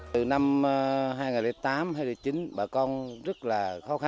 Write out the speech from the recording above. từ năm hai nghìn tám hai nghìn chín bà con rất là khó khăn